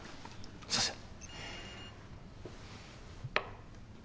すみません。